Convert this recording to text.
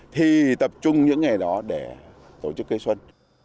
thì tập trung những ngày đó để tổ chức cây xuân